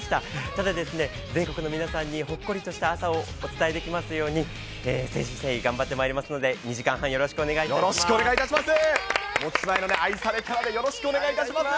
ただですね、全国の皆さんにほっこりとした朝をお伝えできますように、誠心誠意頑張ってまいりますので、２時間半、よろしくお願いいたしよろしくお願いいたします。